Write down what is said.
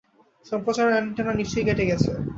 সম্প্রচারের antenna নিশ্চয়ই কেটে গেছে।